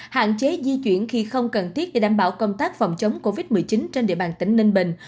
hạn chế di chuyển khi không cần thiết để đảm bảo công tác phòng chống covid một mươi chín trên địa bàn tỉnh ninh bình